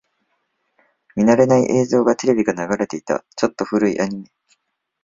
見慣れない映像がテレビから流れていた。ちょっと古いアニメ。